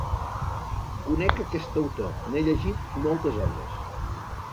Conec aquest autor, n'he llegit moltes obres.